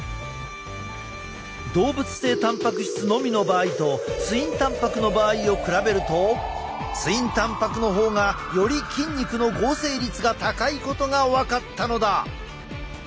動物性たんぱく質のみの場合とツインたんぱくの場合を比べるとツインたんぱくの方がより筋肉の合成率が高いことが分かったのだ。